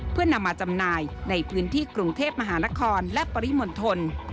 เพื่อนำมาจำหน่ายในพื้นที่กรุงเทพมหานครและปริมณฑล